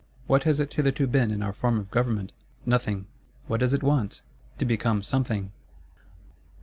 —What has it hitherto been in our form of government? Nothing.—What does it want? To become Something.